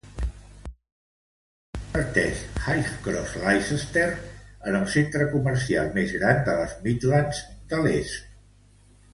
L'extensió converteix Highcross Leicestert en el centre comercial més gran de les Midlands de l'Est.